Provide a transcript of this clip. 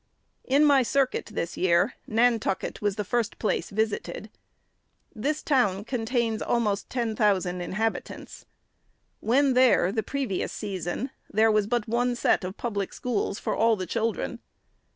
In my circuit this year, Nantucket was the first place visited. The town contains almost 10,000 inhabitants. When there, the previous season, there was but one set 49 G THE SECRET ARY7S of public schools for all the children.